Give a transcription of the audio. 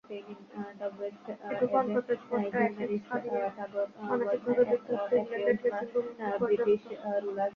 এটুকু অন্তত স্পষ্ট, অ্যাশেজ হারিয়ে মানসিকভাবে বিধ্বস্ত ইংল্যান্ডের ড্রেসিং রুমও বিপর্যস্ত।